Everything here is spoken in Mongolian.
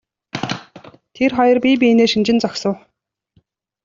Тэр хоёр бие биенээ шинжин зогсов.